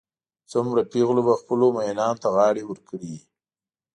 څومره پېغلو به خپلو مئینانو ته غاړې ورکړې وي.